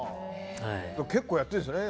結構、やってるんですよね。